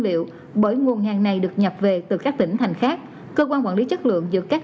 liệu bởi nguồn hàng này được nhập về từ các tỉnh thành khác cơ quan quản lý chất lượng giữa các